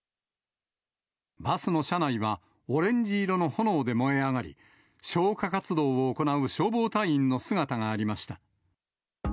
バスの車内はオレンジ色の炎で燃え上がり、消火活動を行う消防隊員の姿がありました。